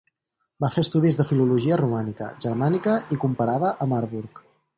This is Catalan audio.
Va fer estudis de filologia romànica, germànica i comparada a Marburg.